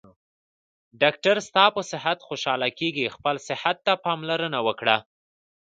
ډاکټر ستاپه صحت خوشحاله کیږي خپل صحته پاملرنه وکړه